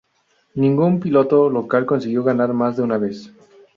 Ningún piloto local consiguió ganar más de una vez.